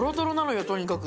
とにかく。